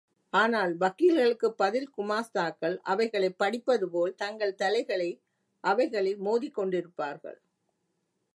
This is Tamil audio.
ஆனால் வக்கீல்களுக்குப் பதில் குமாஸ்தாக்கள், அவைகளைப் படிப்பதுபோல் தங்கள் தலைகளை அவைகளில் மோதிக்கொண்டிருப்பார்கள்.